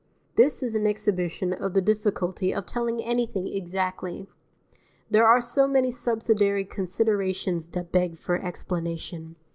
This is an exhibition of the difficulty of telling anything exactly. There are so many subsidiary considerations that beg for explanation.